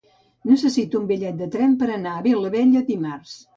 Necessito un bitllet de tren per anar a Vilabella dimarts.